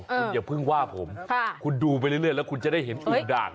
คุณอย่าเพิ่งว่าผมคุณดูไปเรื่อยแล้วคุณจะได้เห็นอุ่มด่าง